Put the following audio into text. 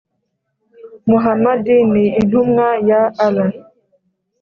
muhamadi ni intumwa ya allah